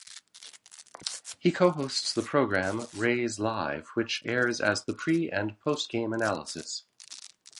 He co-hosts the program "Rays Live" which airs as the pre and post-game analysis.